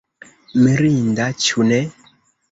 Mirinda ĉu ne?